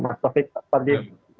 selamat malam pak supardji